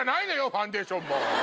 ファンデーションも。